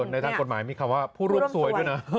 ในทางกฎหมายมีคำว่าผู้ร่วมซวยด้วยนะ